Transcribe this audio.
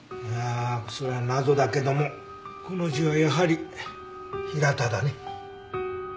いやそれは謎だけどもこの字はやはり「ヒラタ」だね。